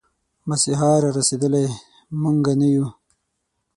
مسيحا را رسېدلی، موږه نه يو